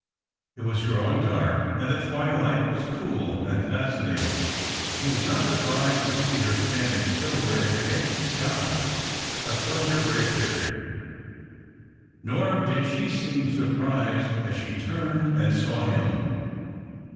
It was OTowinar dark, and the twilight was cool and fascinating. He was not surprised to see her standing silhouetted against the sky, a slender grey figure. Nor did she seem surprised as she turned and saw him.